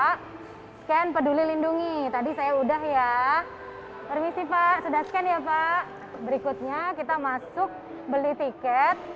pak scan peduli lindungi tadi saya udah ya permisi pak sudah scan ya pak berikutnya kita masuk beli tiket